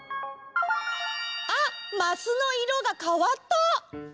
あっマスのいろがかわった！